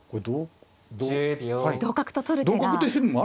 同角と取る手が。